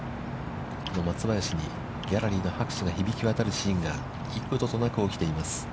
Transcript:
この松林にギャラリーの拍手が響き渡るシーンが、幾度となく起きています。